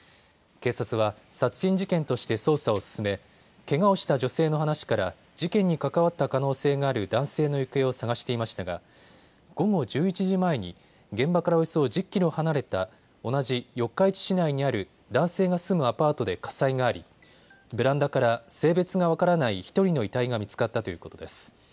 警察は殺人事件として捜査を進めけがをした女性の話から事件に関わった可能性がある男性の行方を捜していましたが午後１１時前に現場からおよそ１０キロ離れた同じ四日市市内にある男性が住むアパートで火災がありベランダから性別が分からない１人の遺体が見つかったということです。